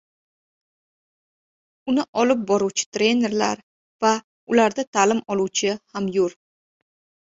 uni olib boruvchi trenerlar va ularda ta’lim oluvchi hamyur